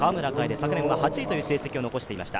昨年は８位というせいせきを残していました。